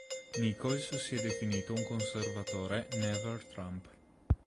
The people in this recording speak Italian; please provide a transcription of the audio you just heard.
Nichols si è definito un conservatore Never Trump.